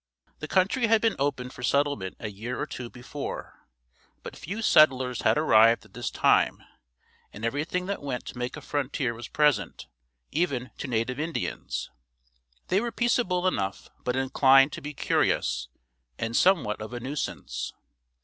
The country had been opened for settlement a year or two before, but few settlers had arrived at this time and everything that went to make a frontier was present, even to native Indians. They were peaceable enough but inclined to be curious and somewhat of a nuisance.